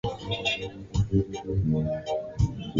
ukaribu na Jackson, badala ya kuuliza maswali ya moja kwa moja